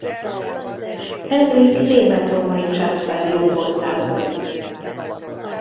Henrik német-római császár jóvoltából.